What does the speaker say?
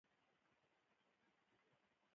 زراعت د افغانستان د چاپیریال ساتنې لپاره مهم دي.